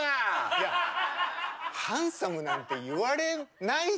いやハンサムなんて言われないじゃない。